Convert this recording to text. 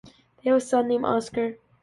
They have a son named Oskar.